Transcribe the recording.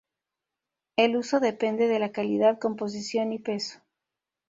El uso depende de la calidad, composición y peso.